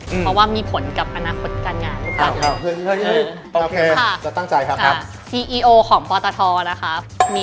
เพราะว่ามีผลกับอนาคตการงาน